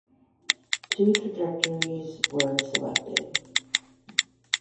Two trajectories were selected.